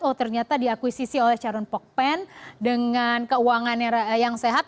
oh ternyata diakuisisi oleh charun pokpen dengan keuangan yang sehat